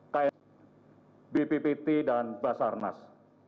kayak bppt dan basarnas